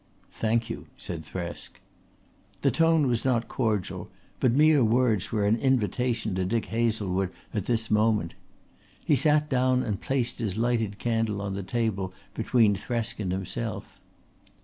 "Thank you," said Thresk. The tone was not cordial, but mere words were an invitation to Dick Hazlewood at this moment. He sat down and placed his lighted candle on the table between Thresk and himself.